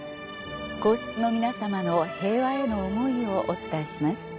皇室の皆さまの平和への思いをお伝えします。